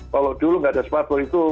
kalau dulu nggak ada smartphone itu